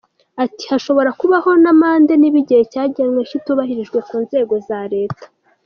Ati “Hashobora kubaho n’amande niba igihe cyagenwe kitubahirijwe ku nzego za leta.